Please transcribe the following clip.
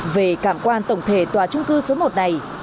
về cảm quan tổng thể tòa trung cư số một này